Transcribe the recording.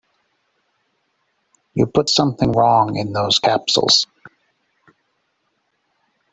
You put something wrong in those capsules.